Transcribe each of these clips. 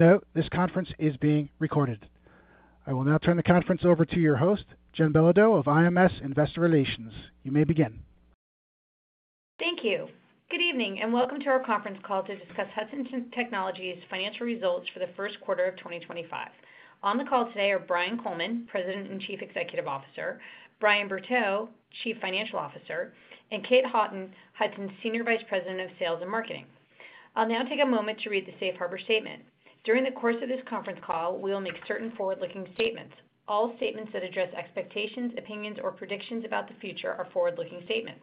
Note: this conference is being recorded. I will now turn the conference over to your host, Jennifer Belodeau of IMS Investor Relations. You may begin. Thank you. Good evening and welcome to our conference call to discuss Hudson Technologies' financial results for the first quarter of 2025. On the call today are Brian Coleman, President and Chief Executive Officer; Brian Bertaux, Chief Financial Officer; and Kate Houghton, Hudson's Senior Vice President of Sales and Marketing. I'll now take a moment to read the Safe Harbor Statement. During the course of this conference call, we will make certain forward-looking statements. All statements that address expectations, opinions, or predictions about the future are forward-looking statements.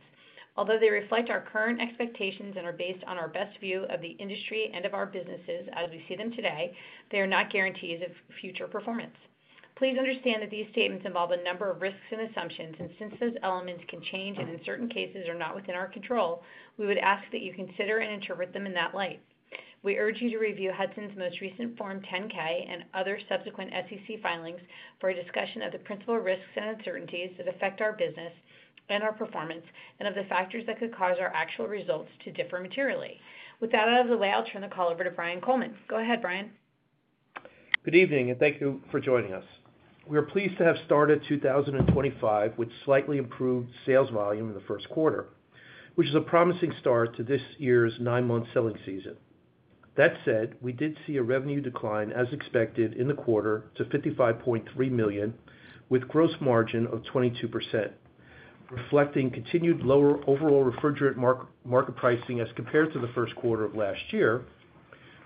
Although they reflect our current expectations and are based on our best view of the industry and of our businesses as we see them today, they are not guarantees of future performance. Please understand that these statements involve a number of risks and assumptions, and since those elements can change and in certain cases are not within our control, we would ask that you consider and interpret them in that light. We urge you to review Hudson's most recent Form 10-K and other subsequent SEC filings for a discussion of the principal risks and uncertainties that affect our business and our performance, and of the factors that could cause our actual results to differ materially. With that out of the way, I'll turn the call over to Brian Coleman. Go ahead, Brian. Good evening and thank you for joining us. We are pleased to have started 2025 with slightly improved sales volume in the first quarter, which is a promising start to this year's 9 month selling season. That said, we did see a revenue decline as expected in the quarter to $55.3 million, with gross margin of 22%, reflecting continued lower overall refrigerant market pricing as compared to the first quarter of last year,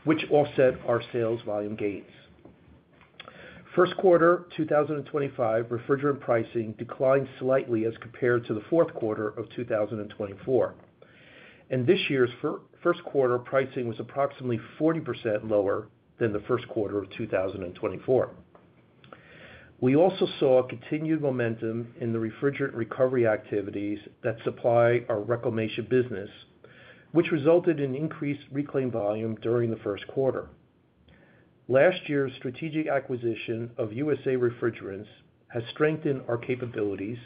which offset our sales volume gains. First quarter 2025 refrigerant pricing declined slightly as compared to the fourth quarter of 2024, and this year's first quarter pricing was approximately 40% lower than the first quarter of 2024. We also saw continued momentum in the refrigerant recovery activities that supply our reclamation business, which resulted in increased reclaim volume during the first quarter. Last year's strategic acquisition of USA Refrigerants has strengthened our capabilities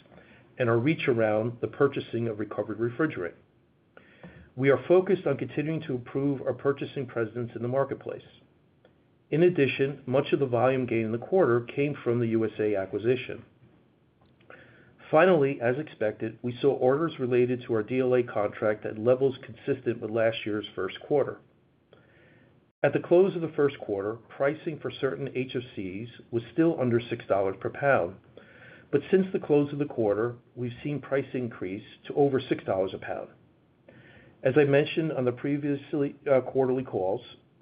and our reach around the purchasing of recovered refrigerant. We are focused on continuing to improve our purchasing presence in the marketplace. In addition, much of the volume gain in the quarter came from the USA acquisition. Finally, as expected, we saw orders related to our DLA contract at levels consistent with last year's first quarter. At the close of the first quarter, pricing for certain HFCs was still under $6 per pound, but since the close of the quarter, we've seen price increase to over $6 a pound. As I mentioned on the previous quarterly calls,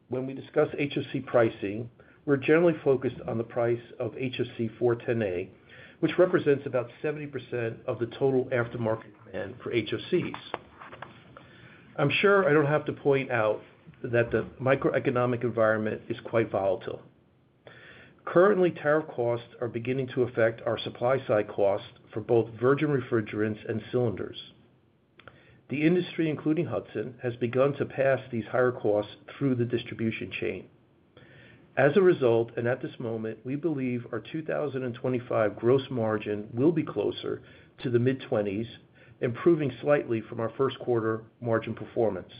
when we discuss HFC pricing, we're generally focused on the price of HFC-410A, which represents about 70% of the total aftermarket demand for HFCs. I'm sure I don't have to point out that the microeconomic environment is quite volatile. Currently, tariff costs are beginning to affect our supply-side costs for both virgin refrigerants and cylinders. The industry, including Hudson, has begun to pass these higher costs through the distribution chain. As a result, at this moment, we believe our 2025 gross margin will be closer to the mid-20s, improving slightly from our first quarter margin performance.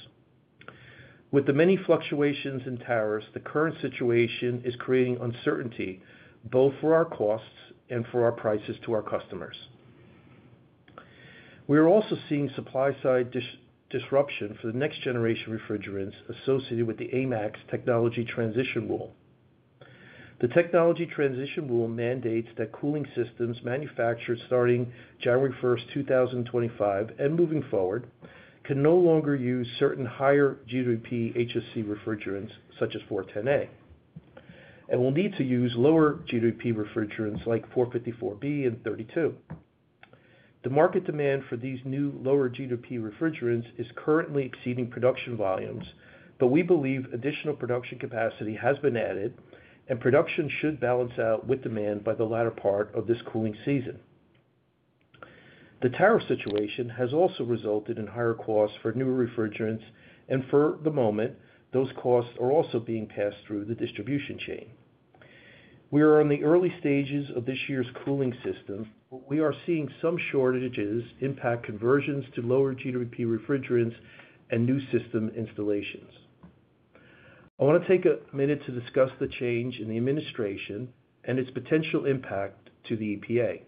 With the many fluctuations in tariffs, the current situation is creating uncertainty both for our costs and for our prices to our customers. We are also seeing supply-side disruption for the next generation refrigerants associated with the AMAX technology transition rule. The technology transition rule mandates that cooling systems manufactured starting January 1, 2025, and moving forward, can no longer use certain higher GWP HFC refrigerants such as 410A, and will need to use lower GWP refrigerants like 454B and 32. The market demand for these new lower GWP refrigerants is currently exceeding production volumes, but we believe additional production capacity has been added, and production should balance out with demand by the latter part of this cooling season. The tariff situation has also resulted in higher costs for new refrigerants, and for the moment, those costs are also being passed through the distribution chain. We are in the early stages of this year's cooling season, but we are seeing some shortages impact conversions to lower GWP refrigerants and new system installations. I want to take a minute to discuss the change in the administration and its potential impact to the EPA.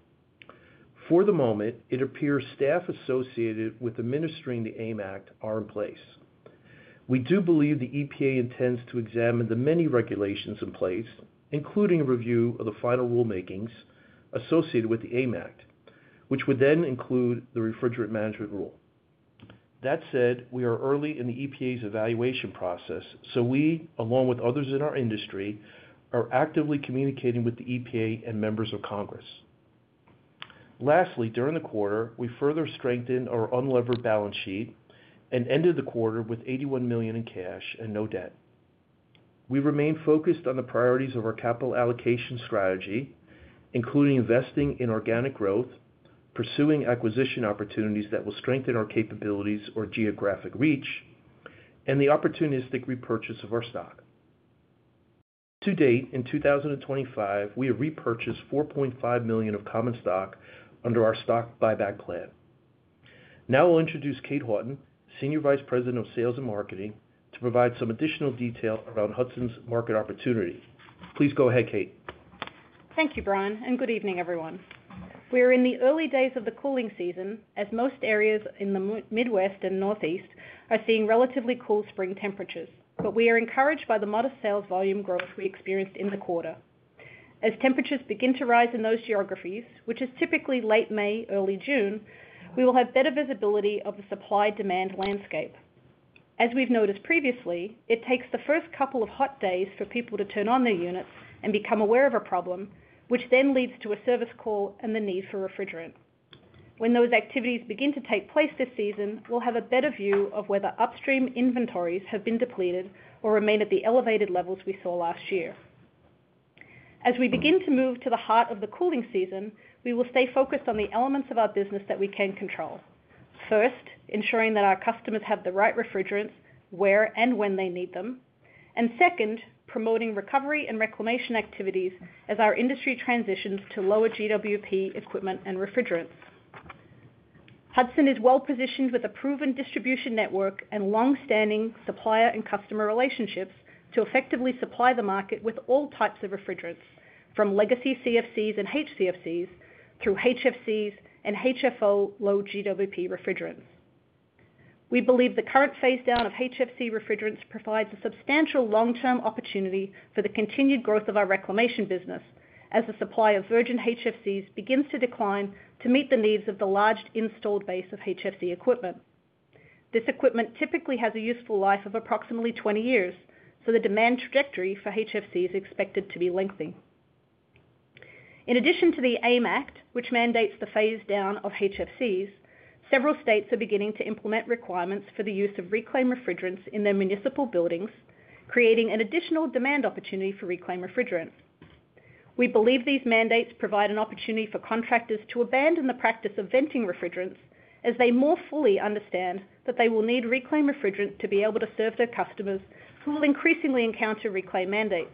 For the moment, it appears staff associated with administering the AMAC are in place. We do believe the EPA intends to examine the many regulations in place, including a review of the final rulemakings associated with the AMAC, which would then include the refrigerant management rule. That said, we are early in the EPA's evaluation process, so we, along with others in our industry, are actively communicating with the EPA and members of Congress. Lastly, during the quarter, we further strengthened our unlevered balance sheet and ended the quarter with $81 million in cash and no debt. We remain focused on the priorities of our capital allocation strategy, including investing in organic growth, pursuing acquisition opportunities that will strengthen our capabilities or geographic reach, and the opportunistic repurchase of our stock. To date, in 2025, we have repurchased $4.5 million of common stock under our stock buyback plan. Now I'll introduce Kate Houghton, Senior Vice President of Sales and Marketing, to provide some additional detail around Hudson's market opportunity. Please go ahead, Kate. Thank you, Brian, and good evening, everyone. We are in the early days of the cooling season as most areas in the Midwest and Northeast are seeing relatively cool spring temperatures, but we are encouraged by the modest sales volume growth we experienced in the quarter. As temperatures begin to rise in those geographies, which is typically late May, early June, we will have better visibility of the supply-demand landscape. As we've noticed previously, it takes the first couple of hot days for people to turn on their units and become aware of a problem, which then leads to a service call and the need for refrigerant. When those activities begin to take place this season, we'll have a better view of whether upstream inventories have been depleted or remain at the elevated levels we saw last year. As we begin to move to the heart of the cooling season, we will stay focused on the elements of our business that we can control. First, ensuring that our customers have the right refrigerants where and when they need them, and second, promoting recovery and reclamation activities as our industry transitions to lower GWP equipment and refrigerants. Hudson is well-positioned with a proven distribution network and long-standing supplier and customer relationships to effectively supply the market with all types of refrigerants, from legacy CFCs and HCFCs through HFCs and HFO low GWP refrigerants. We believe the current phase down of HFC refrigerants provides a substantial long-term opportunity for the continued growth of our reclamation business as the supply of virgin HFCs begins to decline to meet the needs of the large installed base of HFC equipment. This equipment typically has a useful life of approximately 20 years, so the demand trajectory for HFCs is expected to be lengthy. In addition to the AMAC, which mandates the phase down of HFCs, several states are beginning to implement requirements for the use of reclaimed refrigerants in their municipal buildings, creating an additional demand opportunity for reclaimed refrigerants. We believe these mandates provide an opportunity for contractors to abandon the practice of venting refrigerants as they more fully understand that they will need reclaimed refrigerants to be able to serve their customers who will increasingly encounter reclaimed mandates.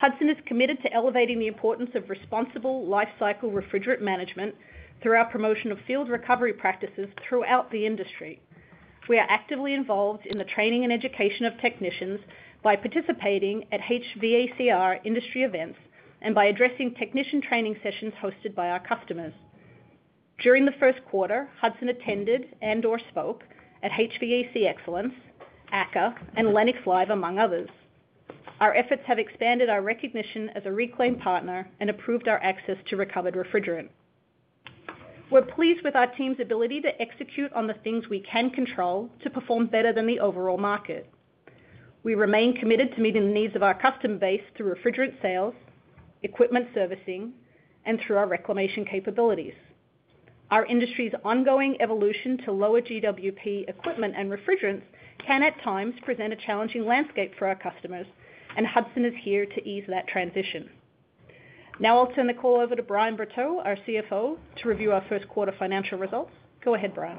Hudson is committed to elevating the importance of responsible life cycle refrigerant management through our promotion of field recovery practices throughout the industry. We are actively involved in the training and education of technicians by participating at HVACR industry events and by addressing technician training sessions hosted by our customers. During the first quarter, Hudson attended and/or spoke at HVAC Excellence, ACCA, and Lennox Live, among others. Our efforts have expanded our recognition as a reclaimed partner and improved our access to recovered refrigerant. We're pleased with our team's ability to execute on the things we can control to perform better than the overall market. We remain committed to meeting the needs of our customer base through refrigerant sales, equipment servicing, and through our reclamation capabilities. Our industry's ongoing evolution to lower GWP equipment and refrigerants can at times present a challenging landscape for our customers, and Hudson is here to ease that transition. Now I'll turn the call over to Brian Berteaux, our CFO, to review our first quarter financial results. Go ahead, Brian.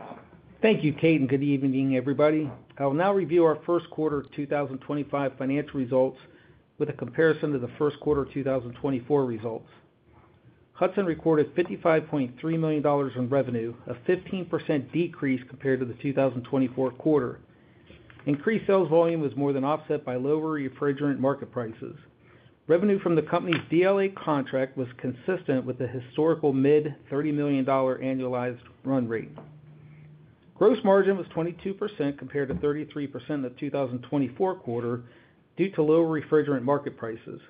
Thank you, Kate, and good evening, everybody. I'll now review our first quarter 2025 financial results with a comparison to the first quarter 2024 results. Hudson recorded $55.3 million in revenue, a 15% decrease compared to the 2024 quarter. Increased sales volume was more than offset by lower refrigerant market prices. Revenue from the company's DLA contract was consistent with the historical mid-$30 million annualized run rate. Gross margin was 22% compared to 33% in the 2024 quarter due to lower refrigerant market prices.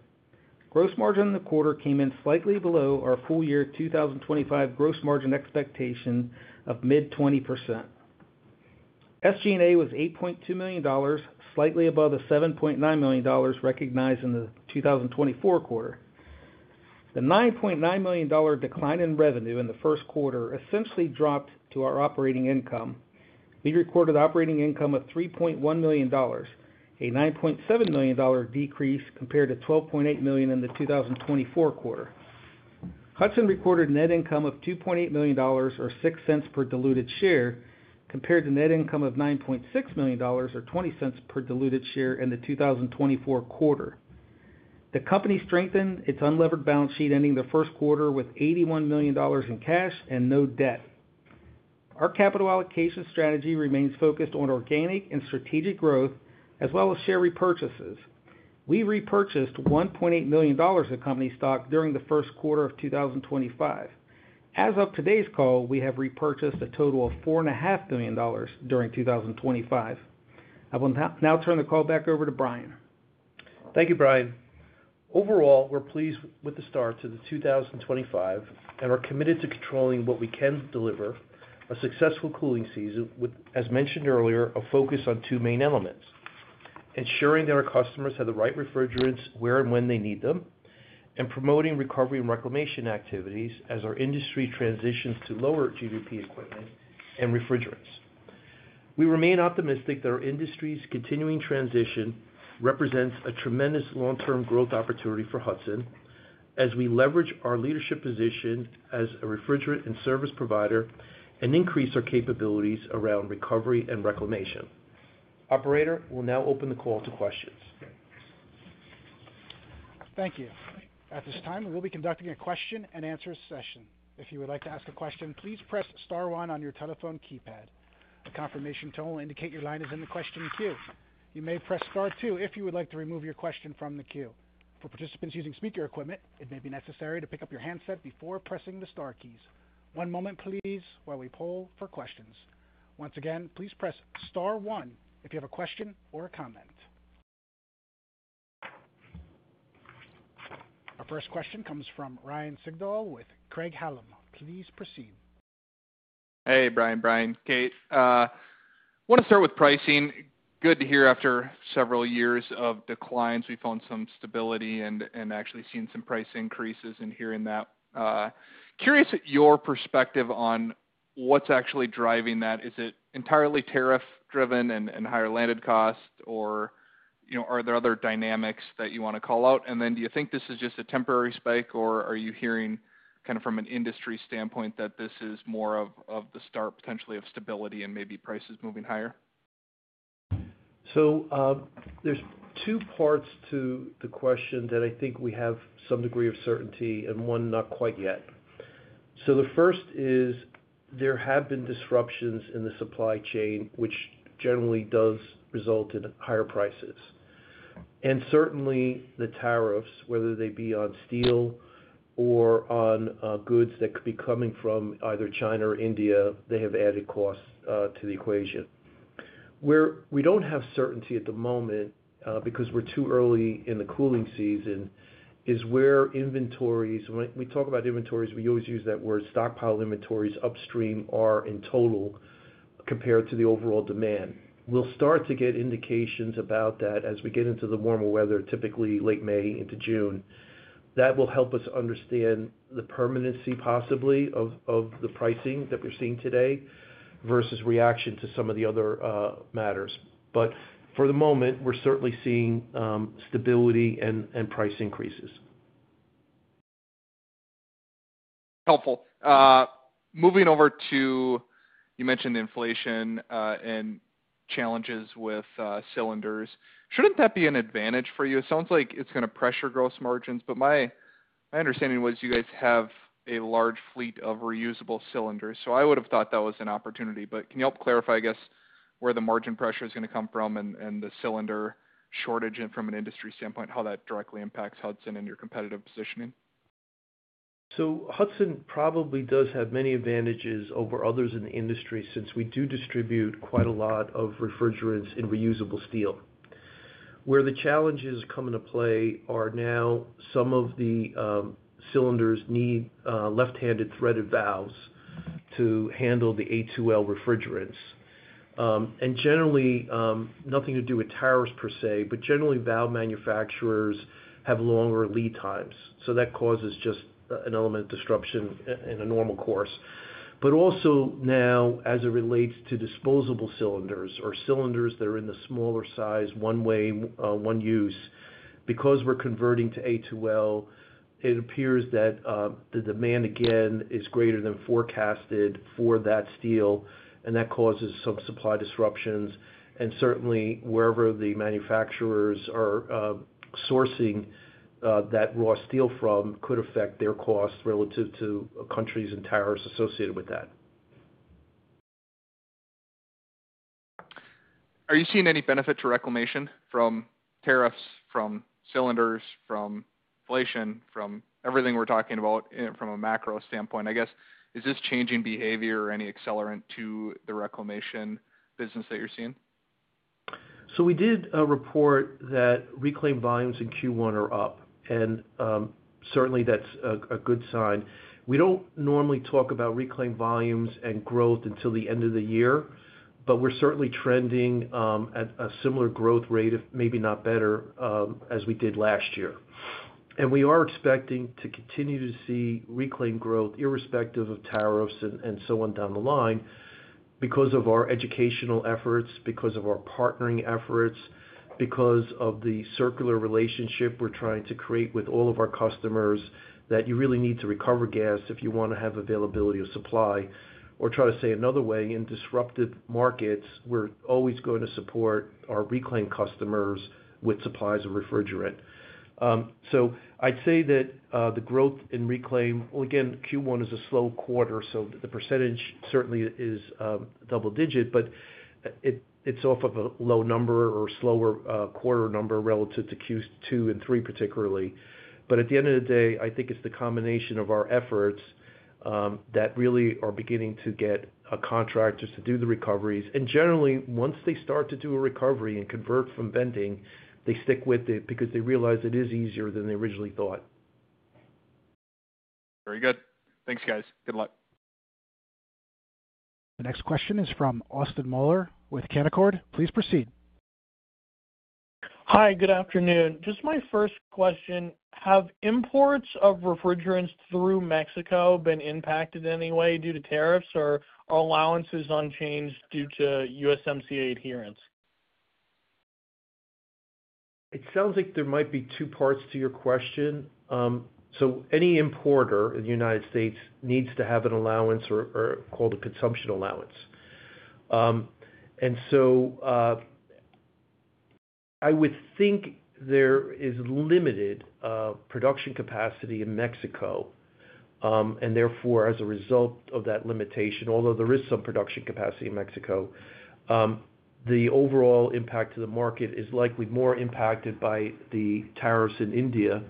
Gross margin in the quarter came in slightly below our full year 2025 gross margin expectation of mid-20%. SG&A was $8.2 million, slightly above the $7.9 million recognized in the 2024 quarter. The $9.9 million decline in revenue in the first quarter essentially dropped to our operating income. We recorded operating income of $3.1 million, a $9.7 million decrease compared to $12.8 million in the 2024 quarter. Hudson recorded net income of $2.8 million or $0.06 per diluted share compared to net income of $9.6 million or $0.20 per diluted share in the 2024 quarter. The company strengthened its unlevered balance sheet ending the first quarter with $81 million in cash and no debt. Our capital allocation strategy remains focused on organic and strategic growth as well as share repurchases. We repurchased $1.8 million of company stock during the first quarter of 2025. As of today's call, we have repurchased a total of $4.5 million during 2025. I will now turn the call back over to Brian. Thank you, Brian. Overall, we're pleased with the start to 2025 and are committed to controlling what we can to deliver a successful cooling season with, as mentioned earlier, a focus on 2 main elements: ensuring that our customers have the right refrigerants where and when they need them, and promoting recovery and reclamation activities as our industry transitions to lower GWP equipment and refrigerants. We remain optimistic that our industry's continuing transition represents a tremendous long-term growth opportunity for Hudson as we leverage our leadership position as a refrigerant and service provider and increase our capabilities around recovery and reclamation. Operator will now open the call to questions. Thank you. At this time, we'll be conducting a question-and-answer session. If you would like to ask a question, please press Star 1 on your telephone keypad. The confirmation tone will indicate your line is in the question queue. You may press Star 2 if you would like to remove your question from the queue. For participants using speaker equipment, it may be necessary to pick up your handset before pressing the Star keys. One moment, please, while we poll for questions. Once again, please press Star 1 if you have a question or a comment. Our first question comes from Ryan Sigdahl with Craig-Hallum Capital Group. Please proceed. Hey, Brian. Brian, Kate. I want to start with pricing. Good to hear after several years of declines, we have found some stability and actually seen some price increases in here and that. Curious your perspective on what is actually driving that. Is it entirely tariff-driven and higher landed cost, or are there other dynamics that you want to call out? Do you think this is just a temporary spike, or are you hearing kind of from an industry standpoint that this is more of the start potentially of stability and maybe prices moving higher? There are 2 parts to the question that I think we have some degree of certainty and one not quite yet. The first is there have been disruptions in the supply chain, which generally does result in higher prices. Certainly, the tariffs, whether they be on steel or on goods that could be coming from either China or India, have added costs to the equation. Where we do not have certainty at the moment because we are too early in the cooling season is where inventories—when we talk about inventories, we always use that word—stockpile inventories upstream are in total compared to the overall demand. We will start to get indications about that as we get into the warmer weather, typically late May into June. That will help us understand the permanency possibly of the pricing that we are seeing today versus reaction to some of the other matters. For the moment, we're certainly seeing stability and price increases. Helpful. Moving over to—you mentioned inflation and challenges with cylinders. Shouldn't that be an advantage for you? It sounds like it's going to pressure gross margins, but my understanding was you guys have a large fleet of reusable cylinders, so I would have thought that was an opportunity. Can you help clarify, I guess, where the margin pressure is going to come from and the cylinder shortage from an industry standpoint, how that directly impacts Hudson and your competitive positioning? Hudson probably does have many advantages over others in the industry since we do distribute quite a lot of refrigerants in reusable steel. Where the challenges come into play are now some of the cylinders need left-handed threaded valves to handle the A2L refrigerants. Generally, nothing to do with tariffs per se, but generally, valve manufacturers have longer lead times, so that causes just an element of disruption in a normal course. Also now, as it relates to disposable cylinders or cylinders that are in the smaller size, one-way, one-use, because we are converting to A2L, it appears that the demand again is greater than forecasted for that steel, and that causes some supply disruptions. Certainly, wherever the manufacturers are sourcing that raw steel from could affect their costs relative to countries and tariffs associated with that. Are you seeing any benefit to reclamation from tariffs, from cylinders, from inflation, from everything we're talking about from a macro standpoint? I guess, is this changing behavior or any accelerant to the reclamation business that you're seeing? We did report that reclaimed volumes in Q1 are up, and certainly, that's a good sign. We do not normally talk about reclaimed volumes and growth until the end of the year, but we are certainly trending at a similar growth rate, if maybe not better, as we did last year. We are expecting to continue to see reclaimed growth irrespective of tariffs and so on down the line because of our educational efforts, because of our partnering efforts, because of the circular relationship we are trying to create with all of our customers that you really need to recover gas if you want to have availability of supply. To try to say another way, in disrupted markets, we are always going to support our reclaimed customers with supplies of refrigerant. I'd say that the growth in reclaimed—well, again, Q1 is a slow quarter, so the percentage certainly is double-digit, but it's off of a low number or slower quarter number relative to Q2 and 3 particularly. At the end of the day, I think it's the combination of our efforts that really are beginning to get contractors to do the recoveries. Generally, once they start to do a recovery and convert from venting, they stick with it because they realize it is easier than they originally thought. Very good. Thanks, guys. Good luck. The next question is from Austin Moeller with Canaccord. Please proceed. Hi, good afternoon. Just my first question: have imports of refrigerants through Mexico been impacted in any way due to tariffs, or are allowances unchanged due to USMCA adherence? It sounds like there might be 2 parts to your question. Any importer in the United States needs to have an allowance called a consumption allowance. I would think there is limited production capacity in Mexico, and therefore, as a result of that limitation, although there is some production capacity in Mexico, the overall impact to the market is likely more impacted by the tariffs in India,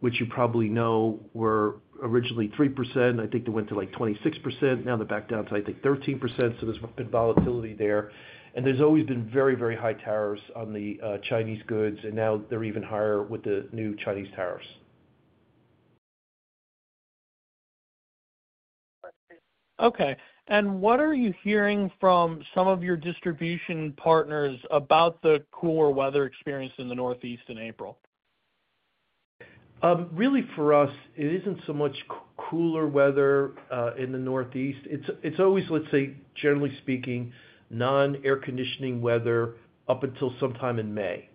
which you probably know were originally 3%. I think they went to 26%. Now they are back down to, I think, 13%. There has been volatility there. There have always been very, very high tariffs on the Chinese goods, and now they are even higher with the new Chinese tariffs. Okay. What are you hearing from some of your distribution partners about the cooler weather experience in the Northeast in April? Really, for us, it isn't so much cooler weather in the Northeast. It's always, let's say, generally speaking, non-air conditioning weather up until sometime in May.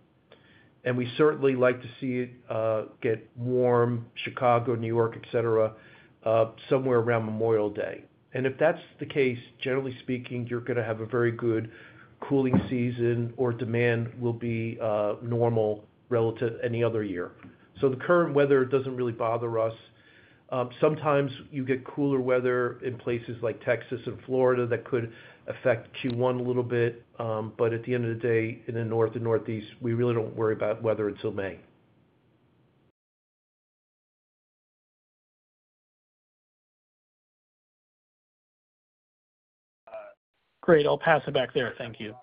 We certainly like to see it get warm—Chicago, New York, etc.—somewhere around Memorial Day. If that's the case, generally speaking, you're going to have a very good cooling season or demand will be normal relative to any other year. The current weather doesn't really bother us. Sometimes you get cooler weather in places like Texas and Florida that could affect Q1 a little bit. At the end of the day, in the North and Northeast, we really don't worry about weather until May. Great. I'll pass it back there. Thank you.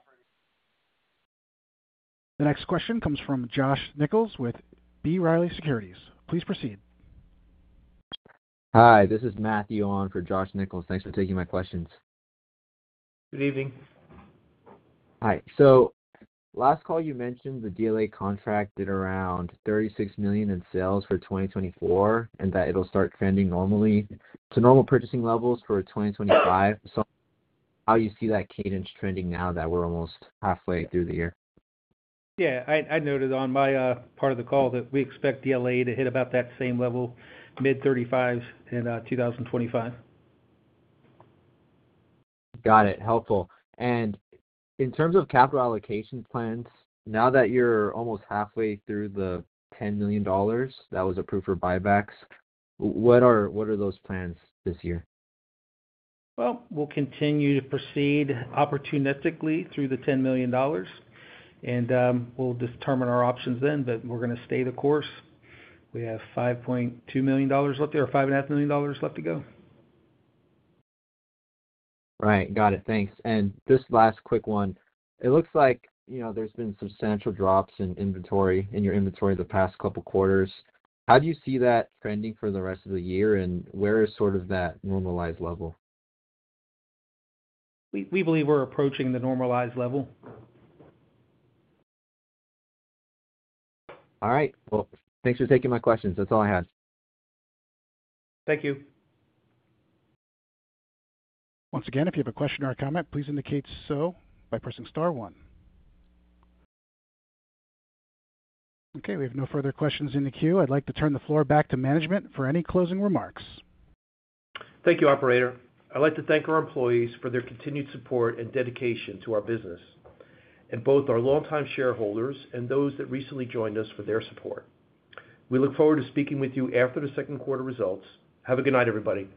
The next question comes from Josh Nichols with B. Riley Securities. Please proceed. Hi. This is Matthew Ong for Josh Nichols. Thanks for taking my questions. Good evening. Hi. Last call, you mentioned the DLA contract did around $36 million in sales for 2024 and that it'll start trending normally to normal purchasing levels for 2025. How do you see that cadence trending now that we're almost halfway through the year? Yeah. I noted on my part of the call that we expect DLA to hit about that same level, mid-35s in 2025. Got it. Helpful. In terms of capital allocation plans, now that you're almost halfway through the $10 million that was approved for buybacks, what are those plans this year? We'll continue to proceed opportunistically through the $10 million, and we'll determine our options then, but we're going to stay the course. We have $5.2 million left there or $5.5 million left to go. Right. Got it. Thanks. Just last quick one. It looks like there's been substantial drops in your inventory the past couple of quarters. How do you see that trending for the rest of the year, and where is sort of that normalized level? We believe we're approaching the normalized level. All right. Thanks for taking my questions. That's all I had. Thank you. Once again, if you have a question or a comment, please indicate so by pressing Star 1. Okay. We have no further questions in the queue. I'd like to turn the floor back to management for any closing remarks. Thank you, Operator. I'd like to thank our employees for their continued support and dedication to our business, and both our longtime shareholders and those that recently joined us for their support. We look forward to speaking with you after the second quarter results. Have a good night, everybody.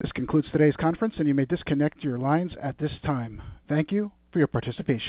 This concludes today's conference, and you may disconnect your lines at this time. Thank you for your participation.